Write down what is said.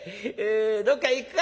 どっか行くか？